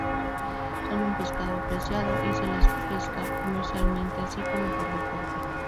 Son un pescado apreciado y se les pesca comercialmente, así como por deporte.